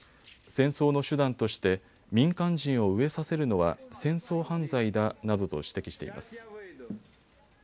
戦争の手段として民間人を飢えさせるのは戦争犯罪だなどと指摘しています。